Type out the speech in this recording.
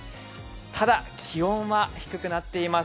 ただ、気温は低くなっています。